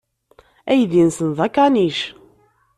Aydi-nsen d akanic.